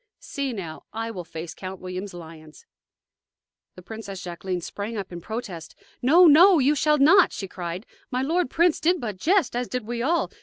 See, now: I will face Count William's lions!" The Princess Jacqueline sprang up in protest. "No, no; you shall not!" she cried. "My lord prince did but jest, as did we all.